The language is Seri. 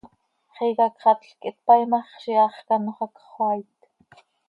Xiica cxatlc quih tpaii ma x, ziix iháx quih anxö hacx xöaait.